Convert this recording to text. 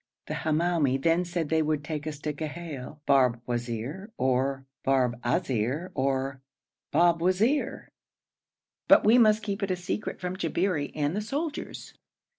The Hamoumi then said they would take us to Ghail Barbwazir or Barbazir or Babwazir, but we must keep it a secret from the Jabberi and the soldiers.